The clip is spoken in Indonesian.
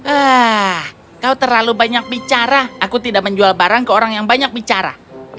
ah kau terlalu banyak bicara aku tidak menjual barang ke orang yang banyak bicara